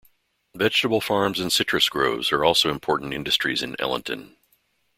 Vegetables farms and citrus groves are also important industries in Ellenton.